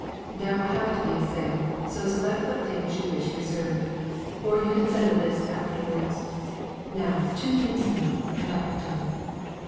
There will have to be a sale, so select what things you wish to be reserved. Or you can send a list afterwards. Now two things more, and I have done.